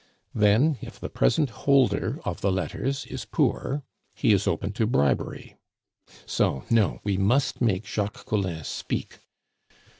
Then, if the present holder of the letters is poor, he is open to bribery. So, no, we must make Jacques Collin speak.